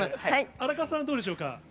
荒川さん、どうでしょうか。